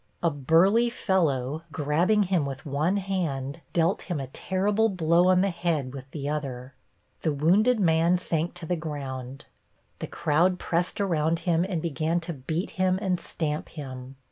A burly fellow, grabbing him with one hand, dealt him a terrible blow on the head with the other. The wounded man sank to the ground. The crowd pressed around him and began to beat him and stamp him.